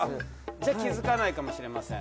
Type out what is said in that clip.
じゃあ気付かないかもしれません。